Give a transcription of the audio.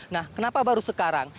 nah kenapa baru sekarang